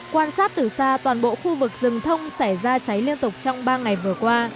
quan sát từ xa toàn bộ khu vực rừng thông xảy ra cháy liên tục trong ba ngày vừa qua